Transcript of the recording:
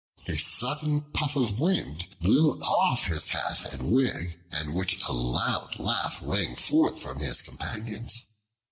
A sudden puff of wind blew off his hat and wig, at which a loud laugh rang forth from his companions.